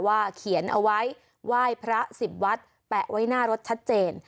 เขียนเอาไว้ไหว้พระ๑๐วัดแปะไว้หน้ารถชัดเจน